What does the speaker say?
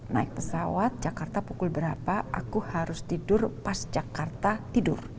naik pesawat jakarta pukul berapa aku harus tidur pas jakarta tidur